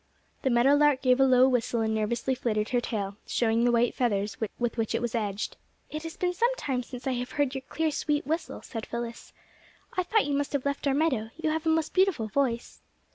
The meadow lark gave a low whistle and nervously flitted her tail, showing the white feathers with which it was edged. "It has been some time since I have heard your clear, sweet whistle," said Phyllis. "I thought you must have left our meadow. You have a most beautiful voice."